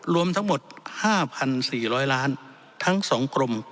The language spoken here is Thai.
รวมทั้งหมด๕๔๐๐ล้านทั้ง๒กรม